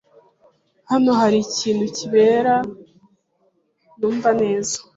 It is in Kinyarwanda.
Hano hari ikintu kibera ntumva neza.